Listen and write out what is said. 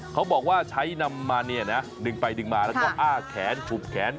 เขาบอกว่าใช้นำมาเนี่ยนะดึงไปดึงมาแล้วก็อ้าแขนฉุบแขน